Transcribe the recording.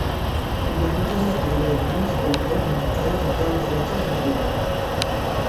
Il a notamment pour élèves Luise Walker en guitare et Karl Valentin en mandoline.